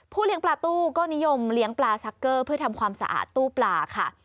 เลี้ยงปลาตู้ก็นิยมเลี้ยงปลาซักเกอร์เพื่อทำความสะอาดตู้ปลาค่ะ